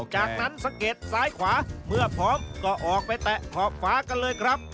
จากนั้นสะเก็ดซ้ายขวาเมื่อพร้อมก็ออกไปแตะขอบฝากันเลยครับ